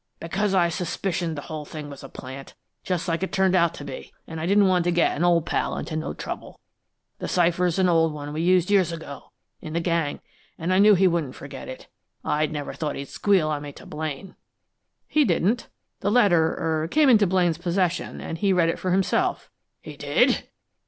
"Because I suspicioned the whole thing was a plant, just like it turned out to be, an' I didn't want to get an old pal into no trouble. The cipher's an old one we used years ago, in the gang, an' I know he wouldn't forget it. I never thought he'd squeal on me to Blaine!" "He didn't. The letter er came into Blaine's possession, and he read it for himself." "He did?"